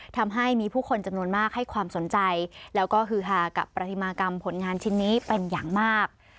ทำให้มีผู้คนจำนวนมากให้ความสนใจแล้วก็ฮือฮากับประติมากรรมผลงานชิ้นนี้เป็นอย่างมาก